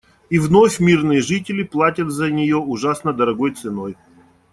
И вновь мирные жители платят за нее ужасно дорогой ценой.